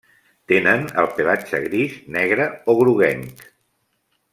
Tenen el pelatge gris, negre o groguenc.